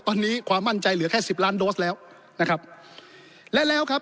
ตอนนี้ความมั่นใจเหลือแค่สิบล้านโดสแล้วนะครับและแล้วครับ